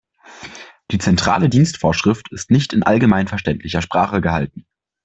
Die Zentrale Dienstvorschrift ist nicht in allgemeinverständlicher Sprache gehalten.